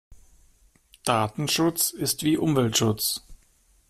Datenschutz ist wie Umweltschutz.